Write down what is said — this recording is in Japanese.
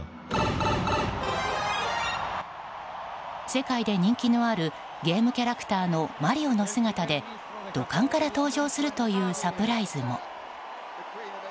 世界で人気のあるゲームキャラクターのマリオの姿で土管から登場するというサプライズも。